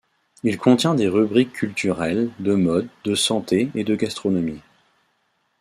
Il contient des rubriques culturelles, de mode, de santé et de gastronomie.